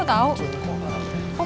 yaudah yuk masuk